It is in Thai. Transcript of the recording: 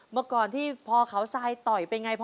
เมื่อก่อนที่พ่อเคราสร้ายต่อยเป็นไงพ่อ